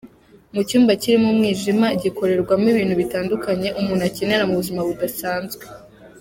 Mu cyumba kirimo umwijima gikorerwamo ibintu bitandukanye umuntu akenera mu buzima busazwe.